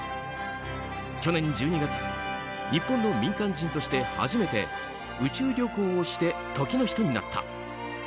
去年１２月日本の民間人として初めて宇宙旅行をして時の人になった。